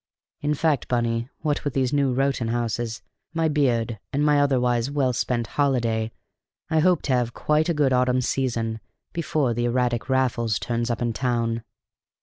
In fact, Bunny, what with these new Rowton houses, my beard, and my otherwise well spent holiday, I hope to have quite a good autumn season before the erratic Raffles turns up in town."